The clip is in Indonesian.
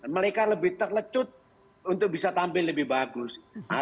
mereka lebih terlecut untuk bisa tampil lebih bagus